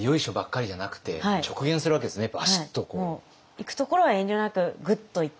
いくところは遠慮なくグッといって。